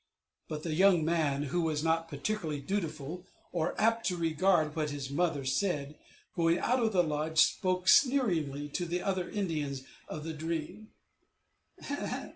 But the young man, who was not particularly dutiful, or apt to regard what his mother said, going out of the lodge, spoke sneeringly to the other Indians of the dream.